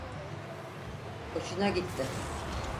Hoşuna gitti.